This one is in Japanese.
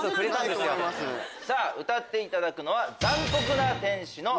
歌っていただくのは。